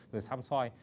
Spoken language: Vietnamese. rồi xăm xoay